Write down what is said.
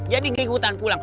jadi gak ikutan pulang